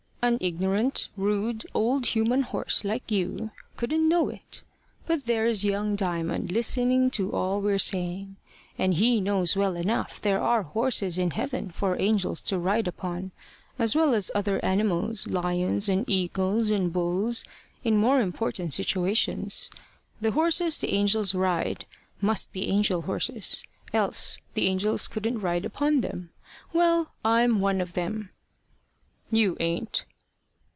An ignorant, rude old human horse, like you, couldn't know it. But there's young Diamond listening to all we're saying; and he knows well enough there are horses in heaven for angels to ride upon, as well as other animals, lions and eagles and bulls, in more important situations. The horses the angels ride, must be angel horses, else the angels couldn't ride upon them. Well, I'm one of them." "You ain't."